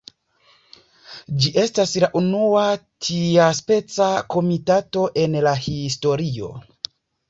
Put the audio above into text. Ĝi estis la unua tiaspeca komitato en la historio.